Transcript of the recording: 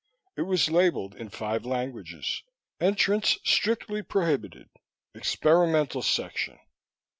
It was labeled in five languages: "Entrance Strictly Prohibited. Experimental Section."